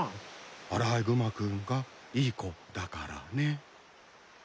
アライグマ君がいい子だからね。